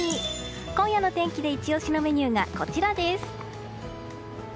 今夜の天気でイチ押しのメニューがこちらです。